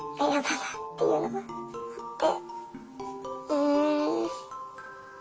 うん。